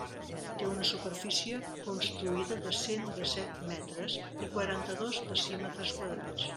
Té una superfície construïda de cent dèsset metres i quaranta-dos decímetres quadrats.